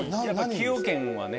崎陽軒はね。